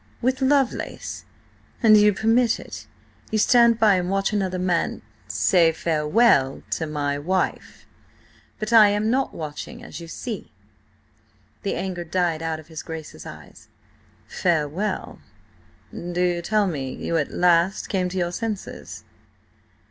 "With Lovelace! And you permit it? You stand by and watch another man—" "Say farewell to my wife. But I am not watching it, as you see." The anger died out of his Grace's eyes. "Farewell? Do you tell me you at last came to your senses?"